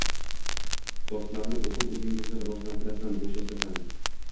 Postlarni oʻqib, oʻzingni rivojlantirasan, boʻshashasan.